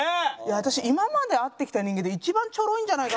私今まで会ってきた人間で一番チョロイんじゃないかなと。